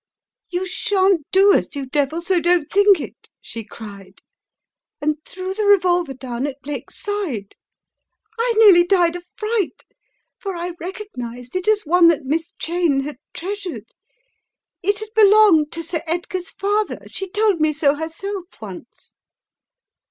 " *You shan't do us, you devil, so don't you think it!* she cried, and threw the revolver down at Blake's side. I nearly died of fright for I recognized it as one that Miss Cheyne had treasured. It had belonged to Sir Edgar's father, she told me so herself once."